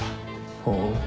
ほう。